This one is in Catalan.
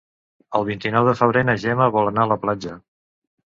El vint-i-nou de febrer na Gemma vol anar a la platja.